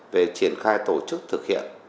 về triển khai tổ chức thực hiện